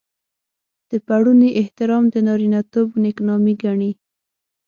د پړوني احترام د نارينه توب نېکنامي ګڼي.